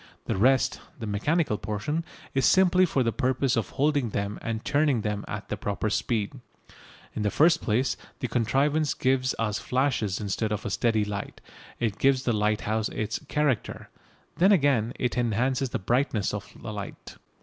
The rest, the mechanical portion, is simply for the purpose of holding them and turning them at the proper speed. In the first place, the contrivance gives us flashes instead of a steady light; it gives the lighthouse its "character." Then again it enhances the brightness of the light.